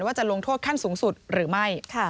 จะลงโทษขั้นสูงสุดหรือไม่